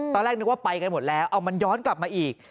ตอนแรกนึกว่าไปกันหมดแล้วเอามันย้อนกลับมาอีก